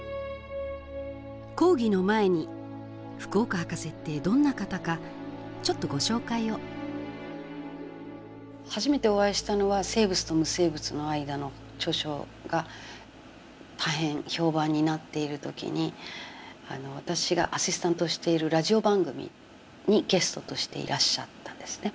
講義の前に福岡ハカセってどんな方かちょっとご紹介を初めてお会いしたのは「生物と無生物のあいだ」の著書が大変評判になっている時に私がアシスタントしているラジオ番組にゲストとしていらっしゃったんですね。